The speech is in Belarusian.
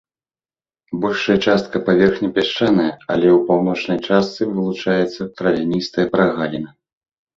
Большая частка паверхні пясчаная, але ў паўночнай частцы вылучаецца травяністая прагаліна.